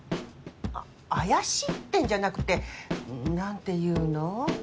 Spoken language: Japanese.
あ怪しいってんじゃなくてうん何て言うの？